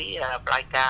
bộ ảnh này